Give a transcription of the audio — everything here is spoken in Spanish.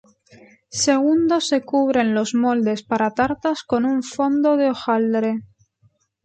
Segundo se cubren los moldes para tartas con un fondo de hojaldre.